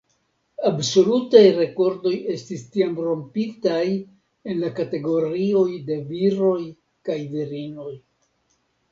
Absolutaj rekordoj estis tiam rompitaj en la kategorioj de viroj kaj virinoj.